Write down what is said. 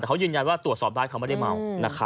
แต่เขายืนยันว่าตรวจสอบได้เขาไม่ได้เมา